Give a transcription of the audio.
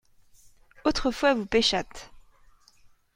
Autrefois vous pêchâtes.